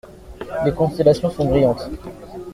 Les constellations sont brillantes.